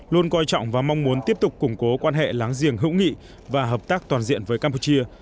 luôn coi trọng và mong muốn tiếp tục củng cố quan hệ láng giềng hữu nghị và hợp tác toàn diện với campuchia